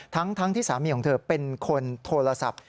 ทั้งที่สามีของเธอเป็นคนโทรศัพท์